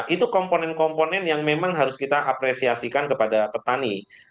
itu komponen komponen yang memang harus kita apresiasikan kepada petani